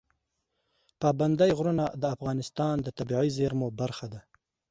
پابندی غرونه د افغانستان د طبیعي زیرمو برخه ده.